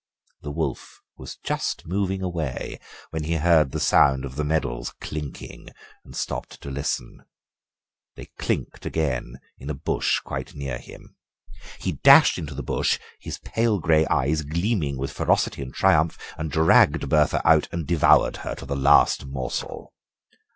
The wolf was just moving away when he heard the sound of the medals clinking and stopped to listen; they clinked again in a bush quite near him. He dashed into the bush, his pale grey eyes gleaming with ferocity and triumph, and dragged Bertha out and devoured her to the last morsel.